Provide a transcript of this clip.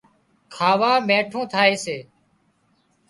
کاوا مينٺون ٿائي سي